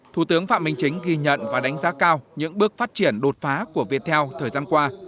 thủ tướng phạm minh chính ghi nhận và đánh giá cao những bước phát triển đột phá của viettel thời gian qua